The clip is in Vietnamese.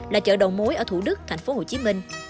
là chợ đầu mối ở thủ đức tp hcm